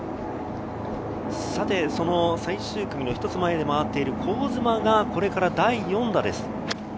最終組の一つ前で回っている香妻がこれから第４打です。